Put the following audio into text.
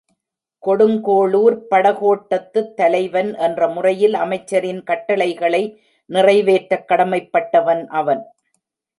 கொடுங்கோளூர்ப் படைக்கோட்டத்துத் தலைவன் என்ற முறையில் அமைச்சரின் கட்டளைகளை நிறைவேற்றக் கடமைப் பட்டவன் அவன்.